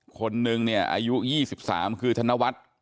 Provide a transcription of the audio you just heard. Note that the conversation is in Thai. คนนึงเนี่ยอายุ๒๓คือธนวัฒน์